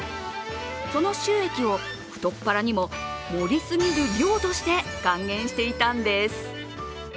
その収益を太っ腹にも盛り過ぎる量として還元していたんです。